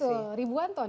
betul ribuan ton